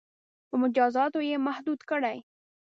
• په مجازاتو یې محدود کړئ.